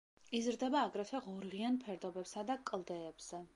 იზრდება აგრეთვე ღორღიან ფერდობებსა და კლდეებზე.